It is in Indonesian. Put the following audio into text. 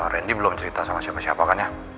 randy belum cerita sama siapa siapa kan ya